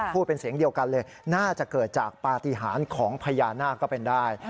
พูดเป็นเสียงเดียวกันเลยน่าจะเกิดจากปฏิหารของพญานาคก็เป็นได้